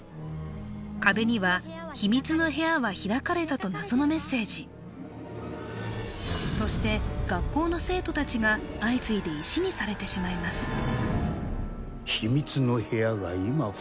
壁には「秘密の部屋は開かれた」と謎のメッセージそして学校の生徒達が相次いで石にされてしまいます